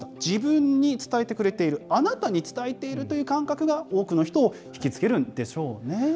自分に伝えてくれている、あなたに伝えているという感覚が、多くの人を引き付けるんでしょうね。